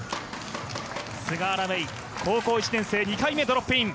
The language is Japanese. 菅原芽衣、高校１年生、２回目ドロップイン。